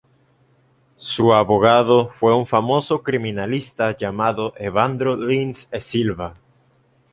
Su abogado fue un famoso criminalista llamado Evandro Lins e Silva.